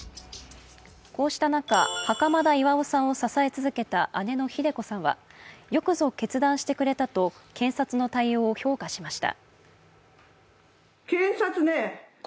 こうした中、袴田巌さんを支え続けた姉のひで子さんは、よくぞ決断してくれたと検察の対応を評価しました。